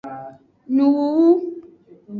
Nuwuwu.